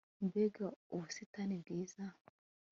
mbega ubusitani bwiza